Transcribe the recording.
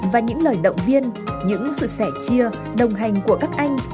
và những lời động viên những sự sẻ chia đồng hành của các anh